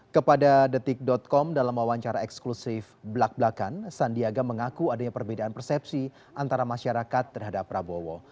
kepada detik com dalam wawancara eksklusif belak belakan sandiaga mengaku adanya perbedaan persepsi antara masyarakat terhadap prabowo